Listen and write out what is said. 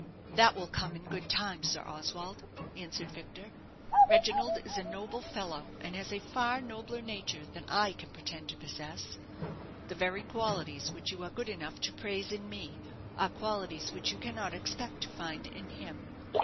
"That will come in good time, Sir Oswald," answered Victor. "Reginald is a noble fellow, and has a far nobler nature than I can pretend to possess. The very qualities which you are good enough to praise in me are qualities which you cannot expect to find in him.